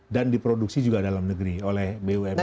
dan diproduksi juga dalam negeri oleh bumn kita